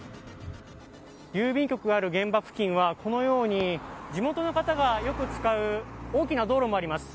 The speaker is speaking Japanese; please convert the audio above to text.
郵便局がある現場付近はこのように地元の方がよく使う大きな道路もあります。